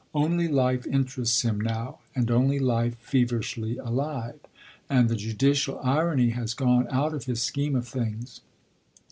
Only life interests him now, and only life feverishly alive; and the judicial irony has gone out of his scheme of things.